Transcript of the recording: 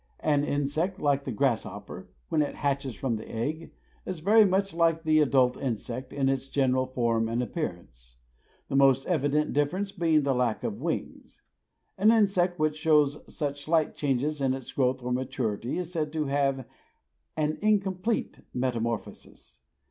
An insect like the grasshopper, when it hatches from the egg, is very much like the adult insect in its general form and appearance; the most evident difference being the lack of wings. An insect which shows such slight changes in its growth to maturity is said to have an incomplete metamorphosis.